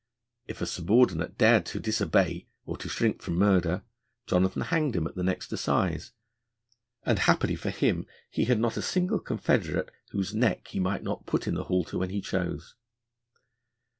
If a subordinate dared to disobey or to shrink from murder, Jonathan hanged him at the next assize, and happily for him he had not a single confederate whose neck he might not put in the halter when he chose.